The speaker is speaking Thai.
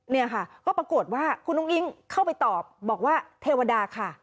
เนี่ยค่ะก็ปรากฏว่าคุณอุ้งอิ๊งเข้าไปตอบบอกว่าเทวดาค่ะ